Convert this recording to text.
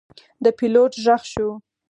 د پیلوټ غږ شو.